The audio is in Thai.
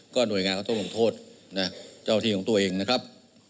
หน่วยงานก็ต้องลงโทษนะเจ้าที่ของตัวเองนะครับ